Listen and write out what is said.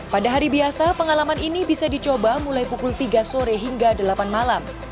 pada hari biasa pengalaman ini bisa dicoba mulai pukul tiga sore hingga delapan malam